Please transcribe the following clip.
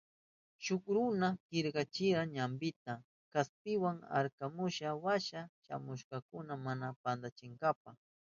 Shuk runa kinkrayana ñampita kaspiwa arkamurka washa shamuhukkuna mana pantanankunapa.